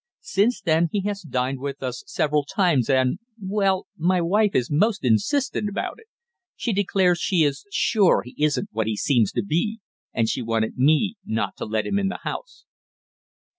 Since then he has dined with us several times, and well, my wife is most insistent about it she declares she is sure he isn't what he seems to be, and she wanted me not to let him the house."